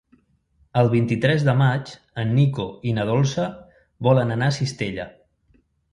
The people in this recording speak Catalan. El vint-i-tres de maig en Nico i na Dolça volen anar a Cistella.